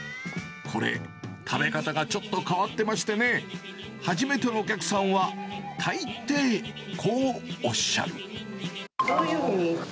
これ、食べ方がちょっと変わってましてね、初めてのお客さんは、どういうふうに食べるの？